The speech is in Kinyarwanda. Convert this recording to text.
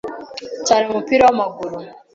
cyane mu mupira w’amaguru